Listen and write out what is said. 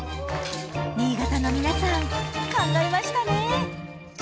新潟の皆さん考えましたね。